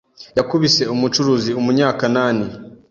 Yakubise umucuruzi Umunyakanani